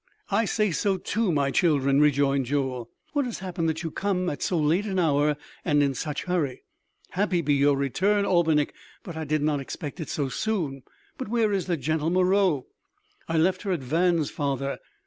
"I say so, too, my children," rejoined Joel. "What has happened that you come at so late an hour and in such hurry? Happy be your return, Albinik, but I did not expect it so soon. But where is the gentle Meroë?" "I left her at Vannes, father.